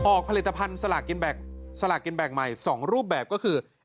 ผลิตภัณฑ์สลากกินแบ่งสลากกินแบ่งใหม่๒รูปแบบก็คือ